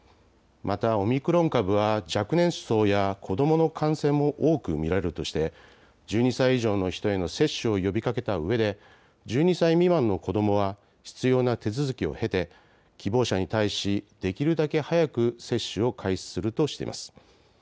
また、オミクロン株は若年層や子どもの感染も多く見られるとして１２歳以上の人への接種を呼びかけたうえで１２歳未満の子どもは必要な手続きを経て希望者に対し、できるだけ早く接種を開始するとしています。